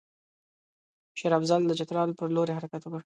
شېر افضل د چترال پر لوري حرکت وکړ.